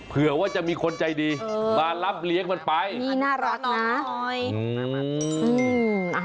เผื่อว่าจะมีคนใจดีมารับเลี้ยงมันไปนี่น่ารักนะ